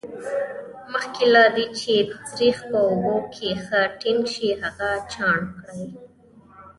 مخکې له دې چې سريښ په اوبو کې ښه ټینګ شي هغه چاڼ کړئ.